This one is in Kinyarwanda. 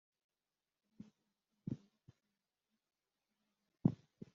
kurenza ibyo ugomba kwibuka no kubabara